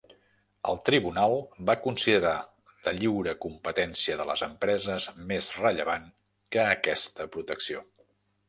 El tribunal va considerar la lliure competència de les empreses més rellevant que aquesta protecció.